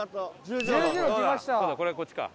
今度これこっちか。